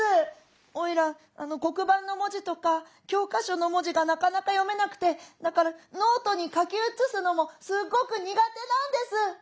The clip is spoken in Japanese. おいら黒板の文字とか教科書の文字がなかなか読めなくてだからノートに書き写すのもすっごく苦手なんです」。